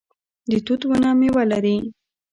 د توت ونه میوه لري